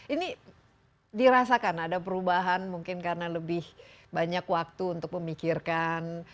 ini dirasakan ada perubahan mungkin karena lebih banyak waktu untuk memikirkan